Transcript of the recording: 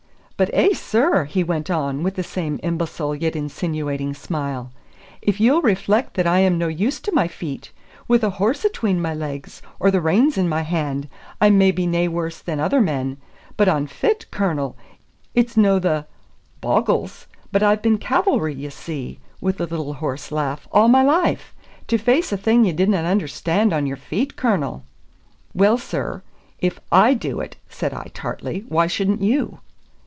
"But eh, sir!" he went on, with the same imbecile yet insinuating smile, "if ye'll reflect that I am no used to my feet. With a horse atween my legs, or the reins in my hand, I'm maybe nae worse than other men; but on fit, Cornel It's no the bogles but I've been cavalry, ye see," with a little hoarse laugh, "a' my life. To face a thing ye dinna understan' on your feet, Cornel." "Well, sir, if I do it," said I tartly, "why shouldn't you?"